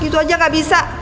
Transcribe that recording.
gitu aja gak bisa